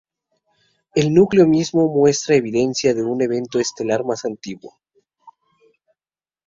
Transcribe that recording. El núcleo mismo muestra evidencia de un evento estelar más antiguo.